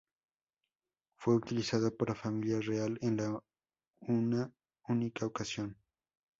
Fue utilizado por la familia real en una única ocasión.